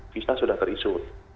visa sudah terisu